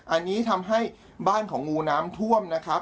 อันนี้ทำให้บ้านของงูน้ำท่วมนะครับ